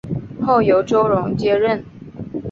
后由周荣接任。